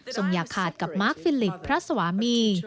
อย่าขาดกับมาร์คฟิลิกพระสวามี